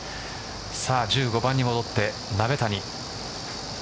１５番に戻って鍋谷。